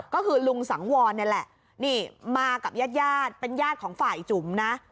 ก็คือลุงสังวรนี่แหละนี่มากับญาติญาติเป็นญาติของฝ่ายจุ๋มนะ